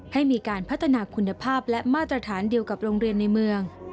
ให้มีการพัฒนาคุณภาพและมาตรฐานเดียวกับโรงเรียนในเมือง